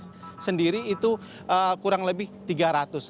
dan jumlah dari bednya sendiri pun kemudian ditambah dengan adanya rumah sakit darurat